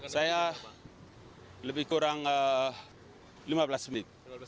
saya lebih kurang lima belas menit